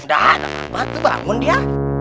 dah udah bangun dia